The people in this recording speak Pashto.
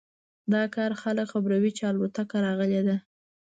دا کار خلک خبروي چې الوتکه راغلی ده